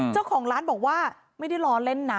เจ้าของร้านบอกว่าไม่ได้ล้อเล่นนะ